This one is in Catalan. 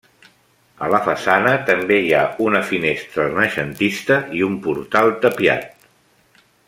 A la façana també hi ha una finestra renaixentista i un portal tapiat.